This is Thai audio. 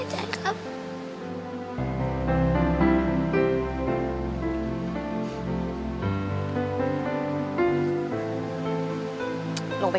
ลงไปกลับแม่ทีนึงไป